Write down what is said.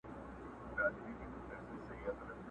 چي راټوپ كړله ميدان ته يو وگړي!.